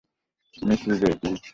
Miss Ridgeway, please!